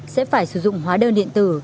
sẽ phải sử dụng hóa đơn điện tử